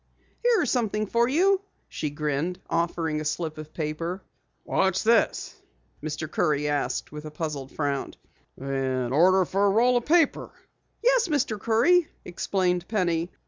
"Here's something for you," she grinned, offering a slip of paper. "What's this?" Mr. Curry asked with a puzzled frown. "An order for a roll of paper?" "Yes, Mr. Curry," explained Penny.